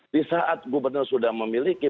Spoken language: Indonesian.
disaat gubernur sudah memiliki